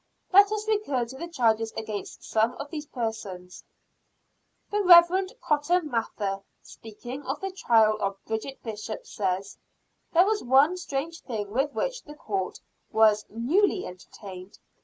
Let us recur to the charges against some of these persons: The Rev. Cotton Mather, speaking of the trial of Bridget Bishop, says: "There was one strange thing with which the Court was newly entertained.